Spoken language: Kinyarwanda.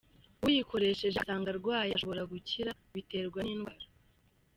Uyikoresheje agasanga arwaye ashobora gukira, biterwa n’indwara.